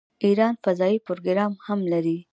ایران فضايي پروګرام هم لري.